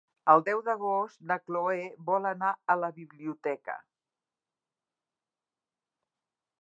El deu d'agost na Chloé vol anar a la biblioteca.